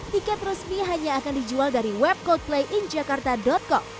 tiket resmi hanya akan dijual dari web coldplayinjakarta com